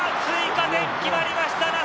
追加点、決まりました！